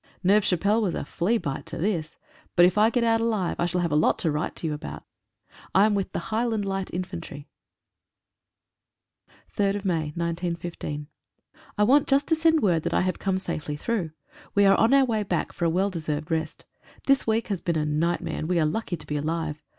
Neuve Chapelle was a flea bite to this. But if I get out alive I shall have a lot to write to you about. I am with the Highland Light Infantry. <8> C * 3/5/15. 3 WANT just to send word that I have come safely through. We are on our way back for a well deserved rest. The week has been a nightmare, and we are lucky to be alive.